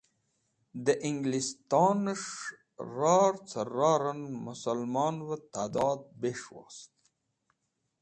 De Englistones̃h Ror ce roren musalmonve Ta'dod Bes̃h wost